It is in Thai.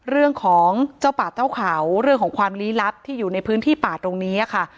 เรื่องของเจ้าป่าเจ้าเขาเรื่องของความลี้ลับที่อยู่ในพื้นที่ป่าตรงนี้ค่ะ